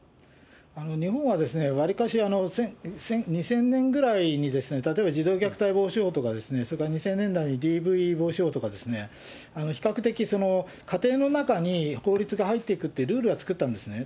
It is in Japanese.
日本はわりかし、２０００年ぐらいに例えば、児童虐待防止法とか、それから２０００年代にＤＶ防止法とかですね、比較的、家庭の中に法律が入っていくというルールは作ったんですね。